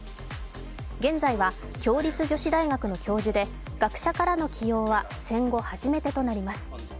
現在は共立女子大学の教授で学者からの起用は戦後初めてとなります。